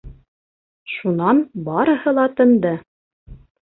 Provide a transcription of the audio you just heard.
Шунан барыһы ла тынды.